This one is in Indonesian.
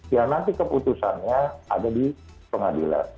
ya nanti keputusannya ada di pengadilan